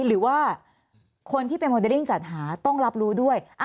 หรือว่าคนที่เป็นโมเดลลิ่งจัดหาต้องรับรู้ด้วย